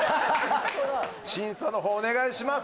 審査のほうお願いします